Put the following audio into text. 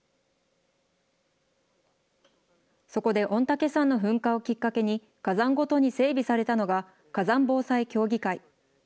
そこで、御嶽山の噴火をきっかけに、火山ごとに整備されたのが、火山防災協議会。